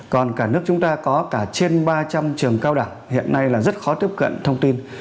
còn cả nước chúng ta có cả trên ba trăm linh trường cao đẳng hiện nay là rất khó tiếp cận thông tin